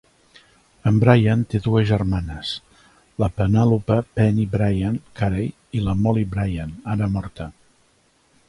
En Bryant té dues germanes, la Penelope "Penny" Bryant Carey, i la Molly Bryant, ara morta.